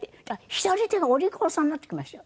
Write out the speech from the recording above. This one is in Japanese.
左手がお利口さんになってきましたよ。